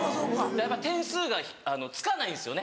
やっぱ点数がつかないんですよね？